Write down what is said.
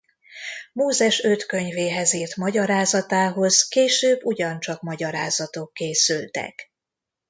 Mózes öt könyvéhez írt magyarázatához később ugyancsak magyarázatok készültek.